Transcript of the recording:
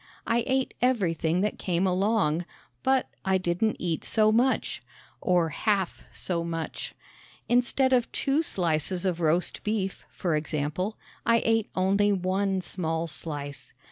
I ate everything that came along, but I didn't eat so much or half so much. Instead of two slices of roast beef, for example, I ate only one small slice.